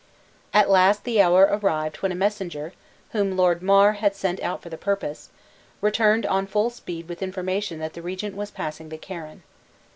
At last the hour arrived when a messenger, whom Lord Mar had sent out for the purpose, returned on full speed with information that the regent was passing the Carron.